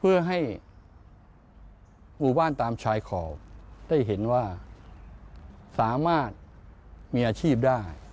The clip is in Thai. เพื่อให้หมู่บ้านตามชายขอบได้เห็นว่าสามารถมีอาชีพได้